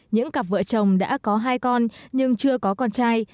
những cặp vợ chồng đã có hai con nhưng chưa có con trai